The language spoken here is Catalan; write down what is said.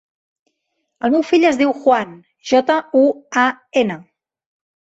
El meu fill es diu Juan: jota, u, a, ena.